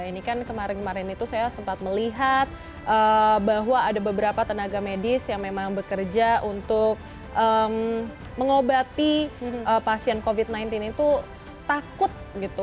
ini kan kemarin kemarin itu saya sempat melihat bahwa ada beberapa tenaga medis yang memang bekerja untuk mengobati pasien covid sembilan belas itu takut gitu